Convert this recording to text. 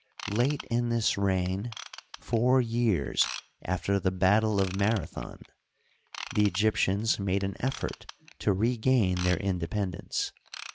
Late in this reign, four years after the battle of Mara thon, the Egyptians made an effort to regain their inde pendence.